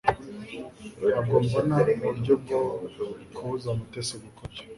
Ntabwo mbona uburyo bwo kubuza Mutesi gukora ibyo